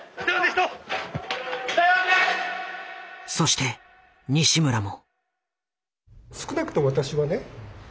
そして西村も。